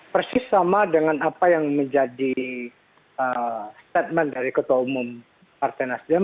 persis sama dengan apa yang menjadi statement dari ketua umum partai nasdem